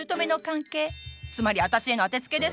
つまり私への当てつけですか！